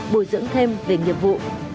bồi dưỡng thêm về nghiệp vụ